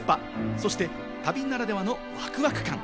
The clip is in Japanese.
そして旅ならではのワクワク感。